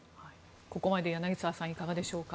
ここまで柳澤さんいかがでしょうか。